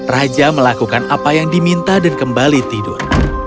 raja melakukan apa yang diminta dan kembali tidur